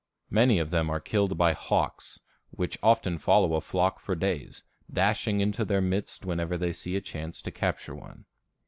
Many of them are killed by hawks, which often follow a flock for days, dashing into their midst whenever they see a chance to capture one.